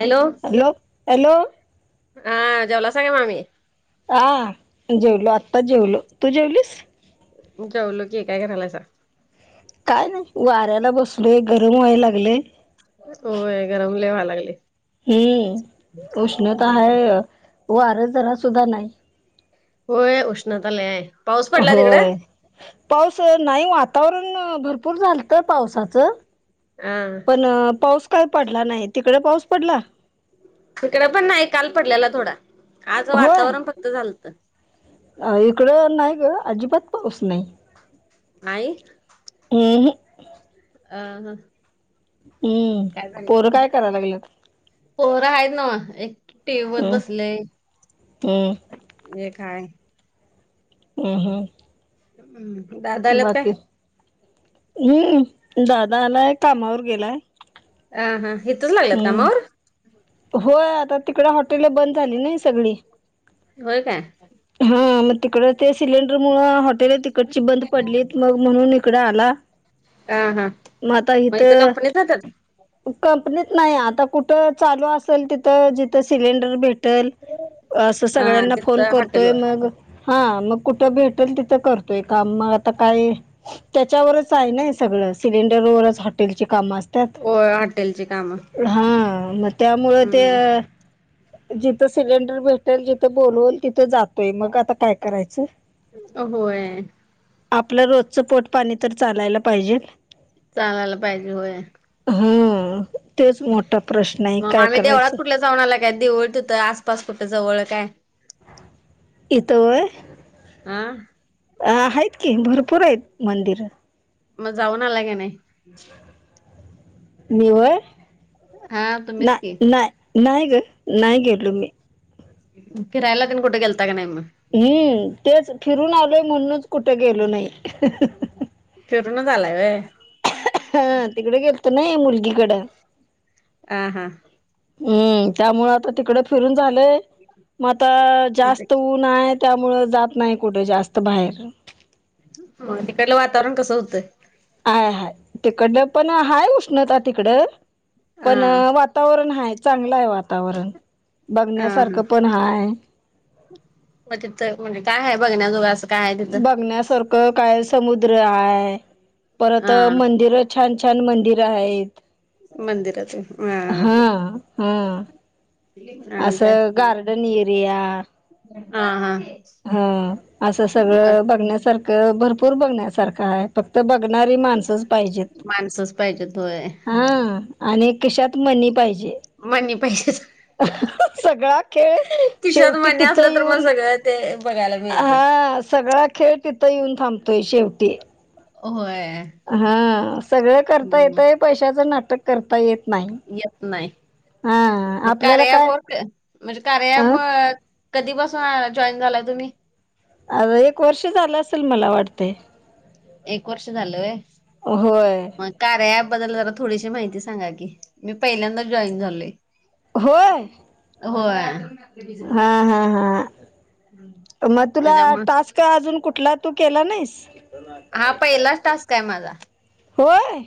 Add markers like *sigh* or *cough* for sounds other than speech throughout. Hello! Hello hello! हा,, जेवलासा काय मामी? हा,, जेवलो आत्ता जेवलो,, तू जेवलीस? जेवलो की,, काय करालायसा? काय नाही,, वाऱ्याला बसलोय, गरम व्हाय लागलय. होय, गरम लय व्हाय लागलय. हम्म उष्णता हाय, वारं जरा सुद्धा नाही. होय, उष्णता लय हाय. पाऊस पडला तिकड? होय,, पाऊस नाही, वातावरण भरपूर झालतं पावसाचं हा पण पाऊस काय पडला नाही,, तिकडं पाऊस पडला? हिकडं पण नाही काल पडलेला थोडा,, आज होय वातावरण फक्त झालतं. अ इकडं नाही गं,, अजिबात पाऊस नाही. नाही हं हं. अ हां. हम्म. काय झालं पोरं मग,, काय करायला लागलेत पोरं हाईत नवं,, एक टीव बगत हम्म, बसलय,, हम्म, एक हाय. ह हं. हम्म,, दादा आल्यात काय? हम्म,, दादा आलाय कामावर गेलाय. आहा, हितचं लागल्यात कामावर.? हम्म होय, आता तिकडं हॉटेल बंद झाली ना ही सगळी? होय काय? हा मग तिकड ते सिलेंडर मुळं हॉटेल तिकडची बंद पडली, मग म्हणून इकडं आला ह हां,, म आता इथं येतातच कंपनीत नाही, आता कुठं चालू असेल तिथं जिथं सिलेंडर भेट ल, असं हा सगळ्यांना तिथ फोन करतोय हॉटेलवर. मग हा, मग कुठं भेटेल तिथं करतोय काम मग आता काय त्याच्यावरच आहे नाही सगळं, सिलेंडरवरच हॉटेलची कामं असतात. हो आठ होटेलचे काम हा मग त्यामुळ ते, हम्म जिथे सिलेंडर भेटते जिथं बोलवल तिथं जातोय, मग आता काय करायचं. होय. आपलं रोजचं पोट पाणी तर चालायला पाहिजे. चालायला पाहिजे होय. हा, तेच मोठा प्रश्न आहे काय करायचं. जावून आलाय काय देवळ त होथं आसपास कुठे जवळ काय. इत होय? हा अ आहेत की, भरपूर आहेत मंदिर. मग जाऊन आलात की नाही? मी व्हय, हा तुम्हीच ना की नाय नाही ग, नाही गेलो मी. फिरायला तन कुठे गेलता का नाही मग? हम्म, तेच फिरून आलोय म्हणूनच कुठे गेलो नाही. फिरूनच आलाय व्हय? हा, तिकडे गेलतो नाही मुलगीकडं आ, हा हम्म, त्यामूळे आता फिरून झालंय. मग आता मग जास्त ऊन आहे त्यामुळं जात नाही कुठे जास्त बाहेर. ह तिकडलं वातावरण कसं होतंय? आय हाय, तिकडल पण आहे उष्णता तिकडं हा पण वातावरण हाय, चांगलं आहे वातावरण. हा हा बघण्यासारखं पण हाय. मग तिथं, म्हणजे काय हाय बघण्याजोग असं? काय आहे तिथं बघण्यासारखं काय समुद्र आहे, परत हा मंदिर छान! छान! मंदिरं आहेत. हा, हा आणि काय असं गार्डन एरिया हा हा हा, असं सगळं बघण्यासारखं भरपूर बघण्यासारखा आहे. फक्त बघणारी माणसं पाहिजेत, माणसंच पाहिजेत होय हा आणि कशात मणी पाहिजे. मनी पाहिजे. सगळा खेळ शेवटी मणी तिथं असलं तर मग येऊन सगळं ते बघायला मिळते. हा, सगळा खेळ तिथं येऊन थांबतोय शेवटी. होय. हं, सगळं करता हम्म येतय, आहे पैशाचं नाटक करता येत नाही. येत नाही. हा मग आपल्याला कार्या ॲप काय वर्क, म्हणजे कार्या अं म- कधी बसून जॉईन झालाय तुम्ही? आता एक वर्ष झालं असेल, मला वाटते. एक वर्ष होय झालंय. होय. मग, कार्या ॲप बद्दल जरा थोडीशी माहिती सांगा की, मी पहिल्यांदा जॉईन झालोय. होय, हा हा हा होय. मग तुला, त्याच्यामुळ टास्क अजून कुठला तु केला नाहीस. हा पहिलाच टास्क आहे माझा. होय,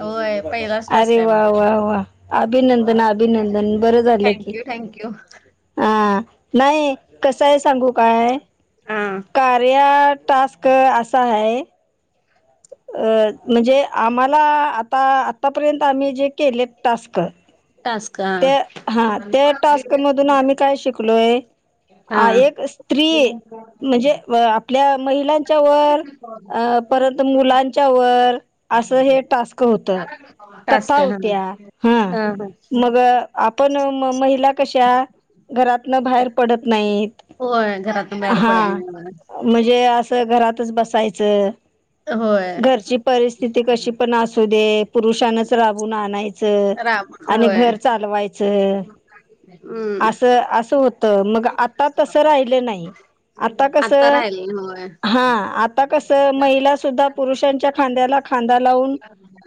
होय पहिलाच टास्क अरे आहे वा माझा. वा वा! अभिनंदन, अभिनंदन बरं झालं की. Thank you thank you. हा, नाही कस हाय सांगू काय? हां, कार्या टास्क असा आहे. अ, म्हणजे आम्हाला आता, आतापर्यंत आम्ही जे केले टास्क- टाक्स, त्या, हा त्या टास्कमधून आम्ही काय शिकलोय, हा एक स्त्री, म्हणजे आपल्या- महिलांच्या वर, अ परत मुलांच्या वर, असं हे टास्क होत. कथा टास्क हा होत्या, हा. मग, आपण म महिला कशा, घरातन बाहेर पडत नाहीत. होय घरातून बाहेर पडत हा. नाहीत. म्हणजे असं घरातच बसायचं, होय घरची- परिस्थिती कशी पण असू दे, पुरुषानच राबून आणायचं. थांबून, आणि घर चालवायचं, हम्म असं असं होत- आता राहिले होय. हा, आता कस महिला सुद्धा पुरुषांच्या खांद्याला खांदा लावून-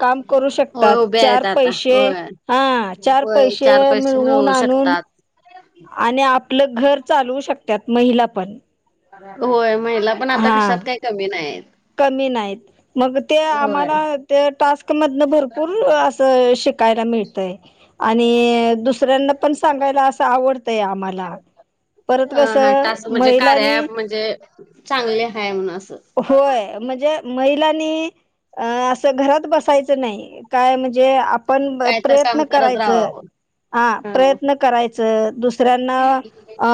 काम करू होय शकतात, उभे चार आहेत आता पैसे होय. हा, चार होय पैसे चार पैसे मिळवून मिळवू आणून- शकतात. आणि, आपलं घर चालवू शकत्यात महिला पण, होय, महिला- पण आता हा, कशात काही कमी नाहीत. कमी नाहीत, मग ते होय आम्हाला- ''त्या टास्क मधन भरपूर असं, शिकायला मिळतयं. '' ''आणि दुसऱ्यांना पण सांगायला असं आवडतंय आम्हाला. '' परत अ कस, हा टास्क म्हणजे कार्या महिलानी- ॲप म्हणजे, चांगले आहे, म्हणून असं. होय म्हणजे, महिलांनी- अ असं घरात बसायचं नाही. काय म्हणजे आप पण काय तर काम प्रयत्न करत करायचं. राहावावं. हा, प्रयत्न करायचं. दुस दुसऱ्यांना अ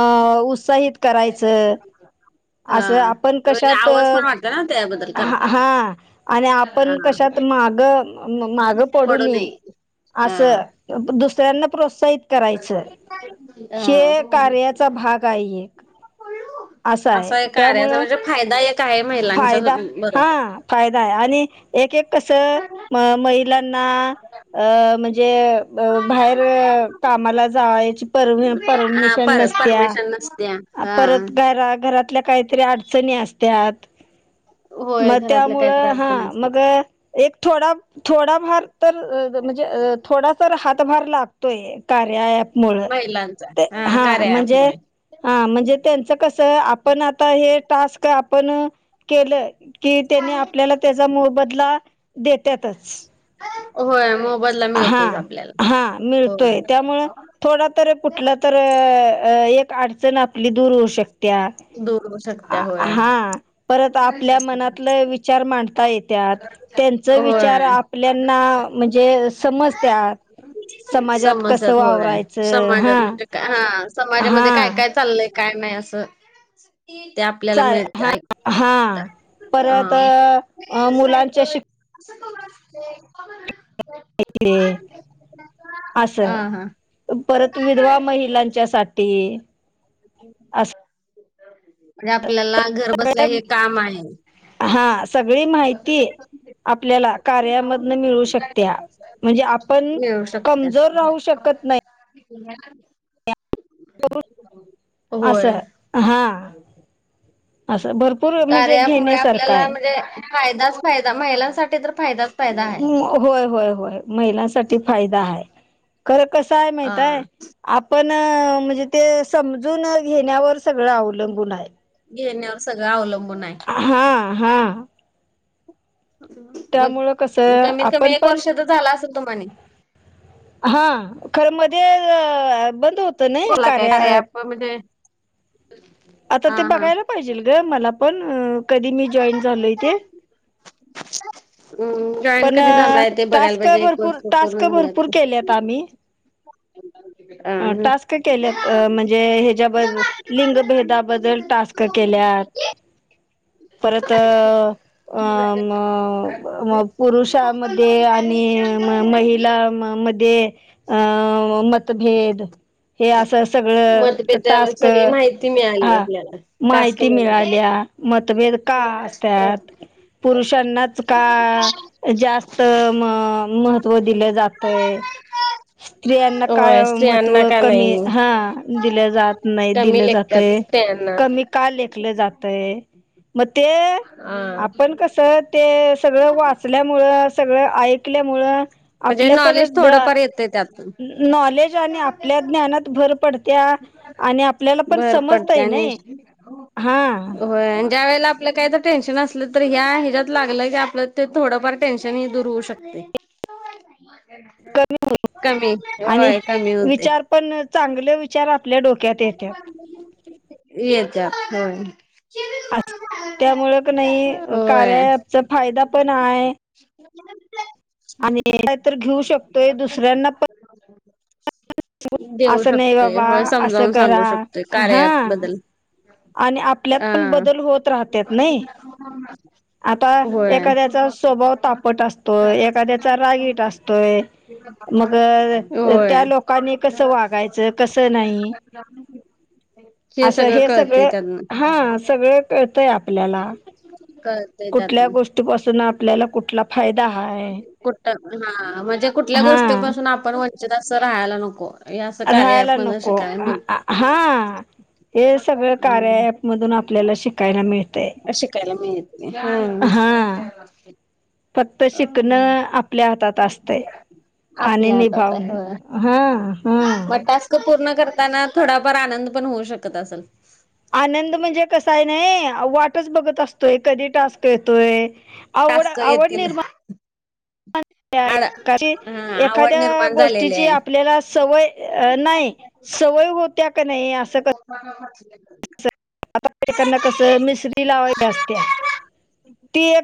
उत्साहित करायचं. असं आपण कशात हावस पण वाटत ना, त्याबद्दल. करताना. हा. आणि हा आपण कशात मागं, म मागं पडू नये. हा आसं. दुसऱ्यांना प्रोत्साहित करायचं. हे हा. कार्याचा भागाय एक. असा आहे एक कार्याचा त्यामुळं म्हणजे, फायदा एक आहे महिलांच्या सो फायदा हा बरोबर. फायदा आहे. आणि एक- एक कसं, म महिलांना अ म्हणजे, बाहेर अ कामाला जायची पर परमिशन नस परमेशन नसते. परत घरा- घरातल्या काहीतरी अडचणी असत्यात. होय मग घरातल्या काहीतरी त्यामुळं हा, अडचणी असतात. मग एक थोडा- थोडा भार तर म्हणजे अ थोडा तर, हातभार लागतोय. कार्या ॲपमुळं. त्यांचा. ते हा, कार्या म्हणजे ॲपमुळे. हा, म्हणजे त्यांच कसं, आपण आता हे टास्क आपण, के केलं की, त्यानी आपल्याला त्याचा मोबदला, देत्यातच. होय मोबदला हा, मिळतोय आपल्याला. हा, होय मिळतोय. त्यामुळं, थोडतर कुठलं तर अ अ एक अडचण आपली, दूर होऊ शकत्या. दूर होऊ शकत्या आ होय. हा. परत आपल्या मनातलं विचार मांडता येत्यात. त्यांचं विचार होय. आपल्याना म्हणजे, समजत्यात. समाजात कसं समस्यात होय वावरायचं, हा. समाजात म्हणजे हा, समाजामध्ये काय- हा काय चाललंय, काय नाही. असं. ते आपल्याला चा मिळत हां. ऐक हां हा. परत मुलांच्या शिक्ष असं, कसं असतय. *unintelligible* *unintelligible* असं. हा हा. परत विधवा महिलांच्यासाठी. आणि आपल्याला, घर बसल्या हे काम आहे. हा सगळी माहिती आपल्याला कार्यामधनं मिळू शकत्या. म्हणजे आपण, मिळू शकते. कमजोर राहू शकत नाही. *unintelligible* होय. असं. हा. असं. भरपू फुल्ल म्हणजे कार्या ॲप मुळे घेण्यासारखाय. आपल्याला म्हणजे फायदाच फायदा. महिलांसाठी तर फायदाच फायदा आहे. अ होय, होय, होय. महिलांसाठी फायदा हाय. खरं कसाय, महिताय? हा. आपण म्हणजे ते, समजून घेण्यावर सगळं अवलंबून हाय. घेण्यावर सगळं अवलंबूनाय. हां, हां. मग त्यामुळं कसं कमीत- कमी, आपण एक पण वर्ष तर झाला असल तुम्हानी. हा. खरं, मध्ये आ बंद होत. तुला काय कार्याॲप मध्ये. आता ते बघायला पाहिजेल गं मला पण अ कधी मी जॉईन झालोय ते. जॉईन पण कधी अ झालाय ते बघायला टास्क पाहिजे एक भरपूर वर्ष -टास्क पूर्ण भरपूर केल्यात. आम्ही *inaudible* टास्क केल्यात म्हणजे आं ह्याच्याबद्दल हां लिंगभेदाबद्दल टास्क *unintelligible* केल्यात *unintelligible* परत अ, अ मं पुरुष अ मध्ये आणि म महिलां म मध्ये अं मतभेद हे असं सगळं मतभेदावर टास्क सगळी माहिती मिळाली हा आपल्याला टास्क माहिती मधन. मिळाल्या. मतभेद का असत्यात, पुरुषांनाच का जास्त म महत्त्व दिलं जातयं *unintelligible* स्त्रियांना का होय स्त्रियांना महत्व का कमी, नाही हा दिलं जात नाही, हा कमी दिलं लेखतात जातयं स्त्रियांना कमी का लेखलं जातयं, म ते हा. आपण कसं ते सगळं वाचल्यामुळे, सगळ ऐकल्यामुळं म्हणजे आपल्या पण नॉलेज थोडंफार येतं त्यातून नॉलेज आणि आपल्या ज्ञानात भर पड त्या आणि आपल्याला पण भर पडते समजताय आणि नही, हां. होय अन् ज्या वेळेला आपलं काही तर टेन्शन असलं तर ह्या ह्याच्यात लागलं की, आपलं ते थोडंफार टेन्शन ह दूर होऊ शकत ये. कमी, आणि होय कमी होते. विचार पण चांगले विचार आपल्या डोक्यात येत्यात. हे येत्या हो. असं त्यामुळं क नई होय कार्या अँप चा फायदा पण आहे. *inaudible* आणि तर घेऊ शकतोय दुसऱ्यांना पण देऊ असं नाही शकतोय, बाबा होय असं समजावून करा सांगू शकतोय कार्या हा अँप बद्दल आणि आपल्यात पण बदल होत राहत्यात नही ह ह *unintelligible* आता एखाद्याचा स्वभाव तापट असतोय, एखाद्याचा रागीट असतोय, मग अ त्या होय लोकांनी कसं वागायचं, कसं नाही *inaudible* हे असं सगळं कळते त्यांना हा सगळं कळतंय आपल्याला क- - त्यात कुठल्या म गोष्टीपासून आपल्याला कुठला फायदा हाय होतात हा म्हणजे कुठल्या हा गोष्टीपासून आपण वंचित असं राहायला नको, हे असं कार्य राहायला अँप मधुन शिक नको हा, हे सगळं कार्य अँप मधून आपल्याला शिकायला मिळे अ शिकायला मिळते हं, हा फक्त शिकणं आपल्या हातात असतंय. आणि आपल्या हातात हाय निभावनं, हा -हा. त पूर्ण करताना थोडा फार आनंद पण होऊ शकत असलं? आनंद म्हणजे कसाय नही वाटच बघत असतोयं कधी टास्क येतोय. आवड ये, टास्क आवड येतील निर्माण आड करायची, हा ए- आवड एखाद्या निर्माण झालेली गोष्टीची आहे. आपल्याला सवय नाही सवय होत्या का नाही असं क *inaudible* आता बाईकना कसं मिसरी लावायच्या असत्या ती एक